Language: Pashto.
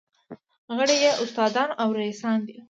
غړي یې استادان او رییسان دي.